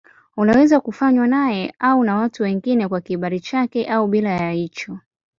Unaweza kufanywa naye au na watu wengine kwa kibali chake au bila ya hicho.